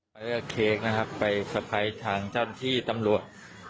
เค้กนะครับไปสะพ้ายทางเจ้าหน้าที่ตำรวจ